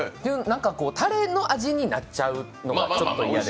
たれの味になっちゃうのがちょっと嫌で。